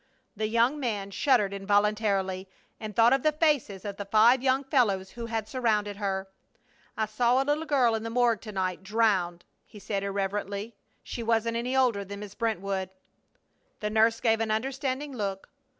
The young man shuddered involuntarily, and thought of the faces of the five young fellows who had surrounded her. "I saw a little girl in the morgue to night, drowned!" he said, irrelevantly. "She wasn't any older than Miss Brentwood." The nurse gave an understanding look.